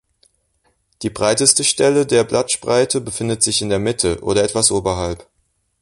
Die breiteste Stelle der Blattspreite befindet sich in der Mitte oder etwas oberhalb.